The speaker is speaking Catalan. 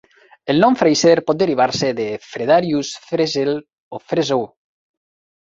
El nom Fraser pot derivar-se de Fredarius, Fresel o Freseau.